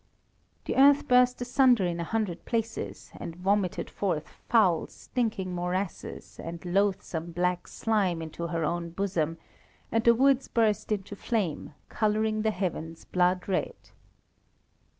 The earth burst asunder in a hundred places, and vomited forth foul, stinking morasses and loathsome, black slime into her own bosom, and the woods burst into flame, colouring the heavens blood red.